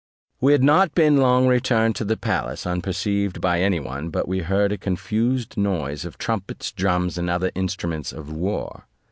We had not been long returned to the palace, unperceived by any one, but we heard a confused noise of trumpets, drums, and other instruments of war.